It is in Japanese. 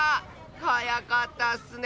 はやかったッスね！